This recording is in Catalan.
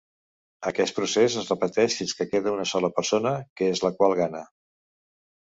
Aquest procés es repeteix fins que queda una sola persona, que és la qual gana.